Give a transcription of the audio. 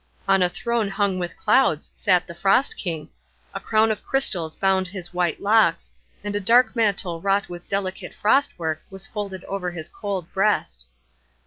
On a throne hung with clouds sat the Frost King; a crown of crystals bound his white locks, and a dark mantle wrought with delicate frost work was folded over his cold breast.